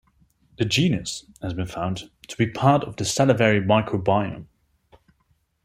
This genus has been found to be part of the salivary microbiome.